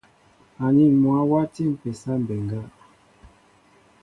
Anin mwă wati mpésa mbéŋga.